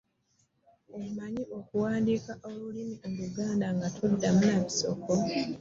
Omanyi okuwandiika olulimi oluganda ngataddemu nebisoka?